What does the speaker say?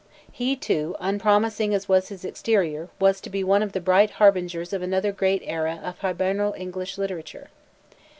He, too, unpromising as was his exterior, was to be one of the bright harbingers of another great era of Hiberno English literature.